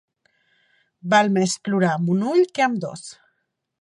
Val més plorar amb un ull que amb dos.